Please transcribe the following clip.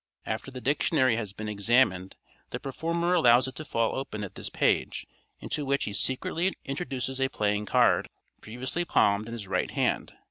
After the dictionary has been examined the performer allows it to fall open at this page, into which he secretly introduces a playing card previously palmed in his right hand.